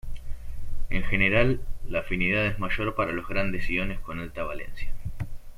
En general, la afinidad es mayor para los grandes iones con alta valencia.